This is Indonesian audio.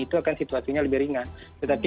itu akan situasinya lebih ringan tetapi